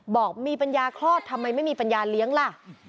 บอกมีปัญญาคลอดทำไมไม่มีปัญญาเลี้ยงล่ะ